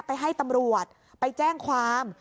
ไปให้ตำรวจไปแจ้งความ